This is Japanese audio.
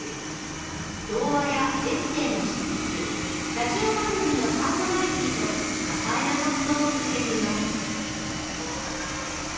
童話やエッセーの執筆ラジオ番組のパーソナリティーと多才な活動を続けています。